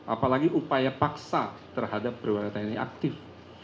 apalagi upaya paksa terhadap perwira tni aktif